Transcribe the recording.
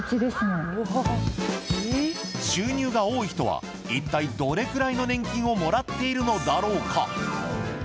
収入が多い人は一体どれくらいの年金をもらっているのだろうか。